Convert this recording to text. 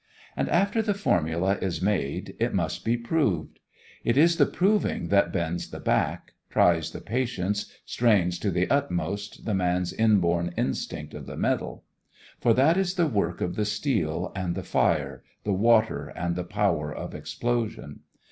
And after the formula is made, it must be proved. It is the proving that bends the back, tries the patience, strains to the utmost the man's inborn Instinct of the Metal. For that is the work of the steel and the fire, the water and the power of explosion.